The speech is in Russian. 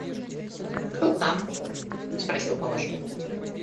«Кто там?» – спросила Палаша.